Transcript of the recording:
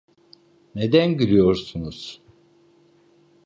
Neden gülüyorsunuz?